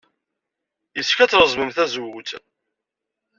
Yessefk ad treẓmem tazewwut?